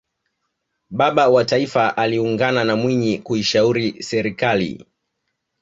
baba wa taifa aliungana na mwinyi kuishauli serikali